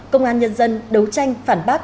công an nhân dân đấu tranh phản bác